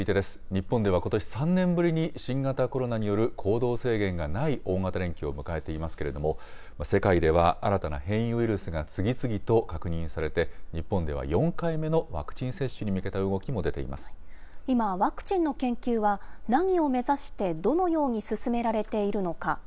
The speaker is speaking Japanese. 日本では、ことし３年ぶりに新型コロナによる行動制限がない大型連休を迎えていますけれども、世界では新たな変異ウイルスが次々と確認されて、日本では４回目のワクチン接種に向けた動きも出て今、ワクチンの研究は何を目指して、どのように進められているのか。